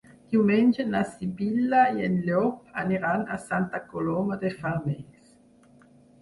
Diumenge na Sibil·la i en Llop aniran a Santa Coloma de Farners.